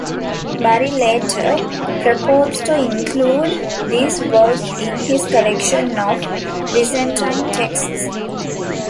Bury later proposed to include this work in his collection of Byzantine Texts.